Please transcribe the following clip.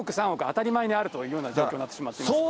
当たり前にあるというような状況になってきてしまっています。